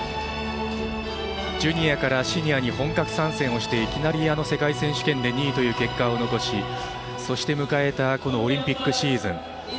ジュニアからシニアに本格参戦をしていきなり世界選手権で２位という結果を残しそして迎えたこのオリンピックシーズン。